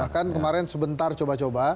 bahkan kemarin sebentar coba coba